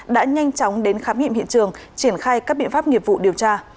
đã nhanh chóng đến khám nghiệm hiện trường triển khai các biện pháp nghiệp vụ điều tra